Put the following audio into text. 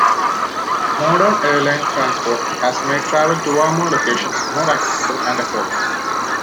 Modern airline transport has made travel to warmer locations more accessible and affordable.